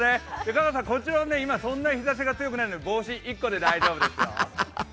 香川さん、こちらはそんなに日ざしが強くないので帽子１個で大丈夫ですよ。